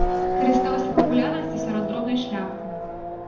Карыстаўся папулярнасцю сярод дробнай шляхты.